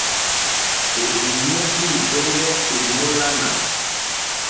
Òrzìɲɛ́ î hwɛ́lɛ́ èmólánà.